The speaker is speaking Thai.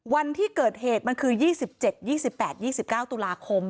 วันที่เกิดเหตุมันคือ๒๗๒๘๒๙ตุลาคม